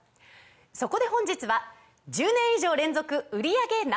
そこで本日は１０年以上連続売り上げＮｏ．１